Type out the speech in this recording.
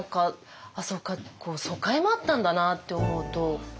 ああそうか疎開もあったんだなって思うと。